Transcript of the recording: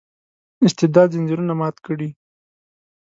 استبداد ځنځیرونه مات کړي.